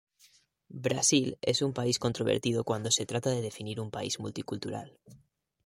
Brasil es un país controvertido cuando se trata de definir un país multicultural.